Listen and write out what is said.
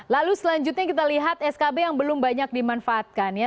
lalu selanjutnya kita lihat skb yang belum banyak dimanfaatkan ya